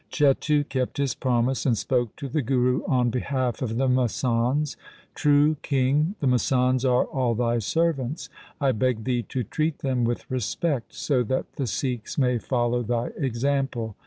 Chetu kept his promise and spoke to the Guru on behalf of the masands, ' True king, the masands are all thy servants. I beg thee to treat them with respect, so that the Sikhs may follow thy example.